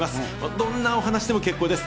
どんなお話でも結構です。